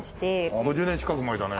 ５０年近く前だね。